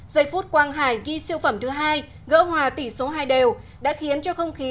giây phút quang hải ghi siêu phẩm thứ hai gỡ hòa tỷ số hai đều đã khiến cho không khí